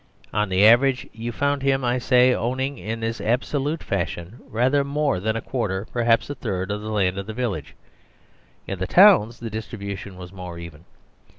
On the average you found him, I say, owning in this absolute fashion rather more than a quarter, perhaps a third of the land of the village : in the towns the distribution was more even.